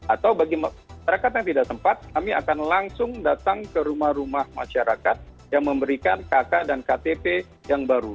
atau bagi masyarakat yang tidak tempat kami akan langsung datang ke rumah rumah masyarakat yang memberikan kk dan ktp yang baru